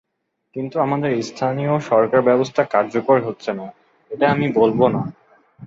কিন্তু আমাদের স্থানীয় সরকারব্যবস্থা কার্যকর হচ্ছে না, এটা আমি বলব না।